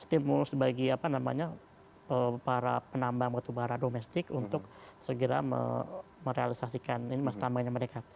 ini jadi stimulus bagi apa namanya para penambang batu bara domestik untuk segera merealisasikan ini mas tambangnya mereka